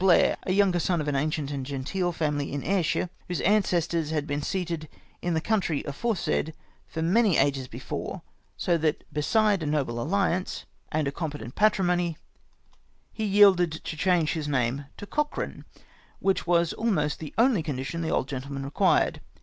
lair, a younger son of an ancient and genteel family in a\irshire, whose ancestors had been seated in the country aforesaid I'ur many ages btlVae, so that beside a iiuble alliance. ACCOUNT OF THE DUNDONALD FAMILY. 11 and a competent patrimony, lie yielded to change his name to Cochran, which was almost the only condition the old gentleman required.